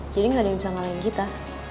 jadi gak ada yang bisa ngalahin kita